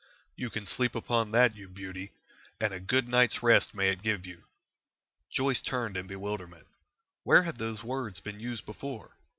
"You can sleep upon that, you beauty, and a good night's rest may it give you!" Joyce turned in bewilderment. Where had those words been used before?